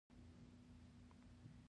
زهٔ ورته کیسې د ارتقا او تمدن کوم